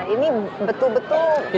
ini betul betul harus